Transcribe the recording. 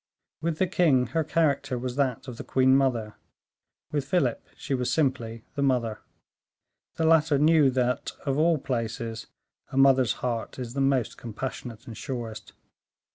With the king, her character was that of the queen mother, with Philip she was simply the mother. The latter knew that, of all places, a mother's heart is the most compassionate and surest.